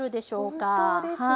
あっ本当ですね。